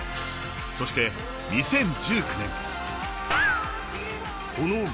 そして２０１９年。